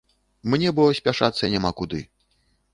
Мне бо спяшацца няма куды.